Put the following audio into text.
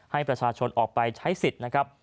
ให้ประชาชนออกไปใช้สิทธิ์นะครับ